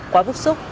quá bức xúc